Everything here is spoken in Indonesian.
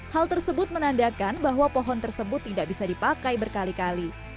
hal tersebut menandakan bahwa pohon tersebut tidak bisa dipakai berkali kali